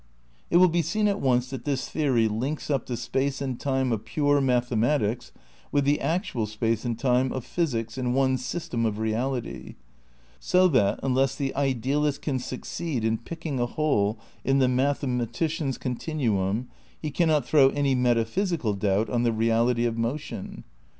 It will be seen at once that this theory links up the space and time of pure mathematics with the actual space and time of physics in one system of reality; so that, unless the idealist can succeed in picking a hole in the mathematician's continuum he cannot throw any metaphysical doubt on the reality of motion.